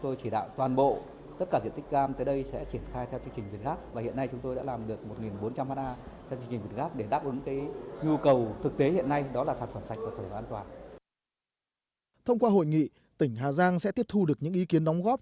thông qua hội nghị tỉnh hà giang sẽ tiếp thu được những ý kiến đóng góp